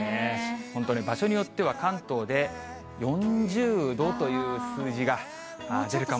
本当ね、場所によっては、関東で４０度という数字が出るかも。